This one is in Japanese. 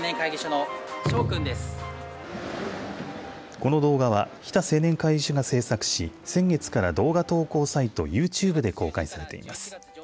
この動画は日田青年会議所が制作し先月から動画投稿サイトＹｏｕＴｕｂｅで公開されています。